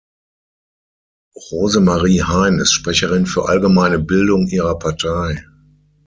Rosemarie Hein ist Sprecherin für allgemeine Bildung ihrer Partei.